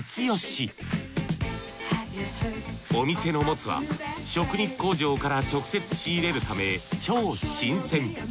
お店のモツは食肉工場から直接仕入れるため超新鮮。